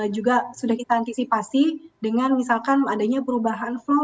juga sudah kita antisipasi dengan misalkan adanya perubahan flow